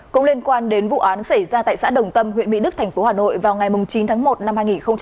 cũng liên quan đến vụ án xảy ra tại xã đồng tâm huyện mỹ đức tp hà nội vào ngày chín tháng một năm hai nghìn hai mươi